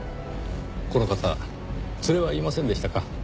この方連れはいませんでしたか？